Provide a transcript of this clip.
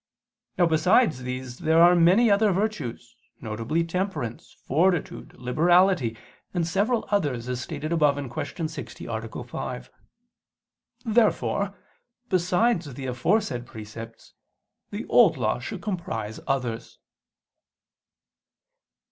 Now besides these there are many other virtues, viz. temperance, fortitude, liberality, and several others, as stated above (Q. 60, A. 5). Therefore besides the aforesaid precepts, the Old Law should comprise others.